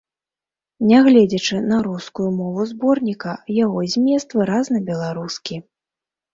Нягледзячы на рускую мову зборніка, яго змест выразна беларускі.